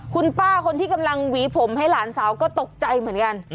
คุณป้าคนที่กำลังหวีผมให้หลานสาวก็ตกใจเหมือนกัน